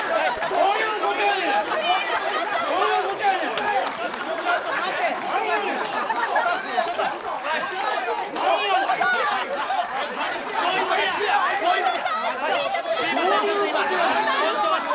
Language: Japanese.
どういうことやねん。